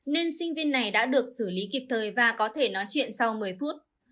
nên sinh viên này đã được xử lý kịp thời và có thể nói chuyện sau một mươi phút